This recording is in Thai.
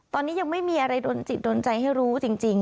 ตอนนี้ยังไม่มีอะไรโดนจิตโดนใจให้รู้จริง